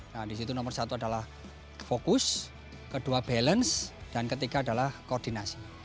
nah disitu nomor satu adalah fokus kedua balance dan ketiga adalah koordinasi